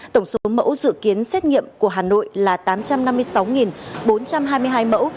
tổng số mẫu dự kiến xét nghiệm của hà nội là tám trăm năm mươi sáu bốn trăm hai mươi hai mẫu